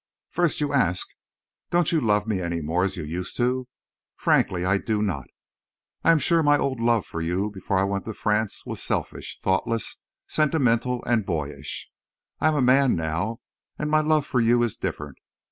First, you ask, "Don't you love me any more as you used to?"... Frankly, I do not. I am sure my old love for you, before I went to France, was selfish, thoughtless, sentimental, and boyish. I am a man now. And my love for you is different.